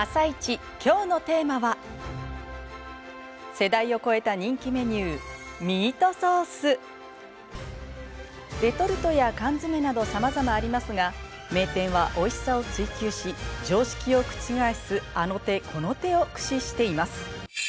世代を超えた人気メニューレトルトや缶詰などさまざまありますが名店はおいしさを追求し常識を覆すあの手この手を駆使しています。